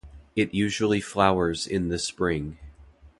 It usually flowers in the spring.